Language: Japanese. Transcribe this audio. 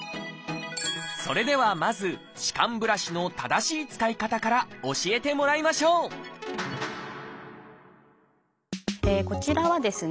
それではまず歯間ブラシの正しい使い方から教えてもらいましょうこちらはですね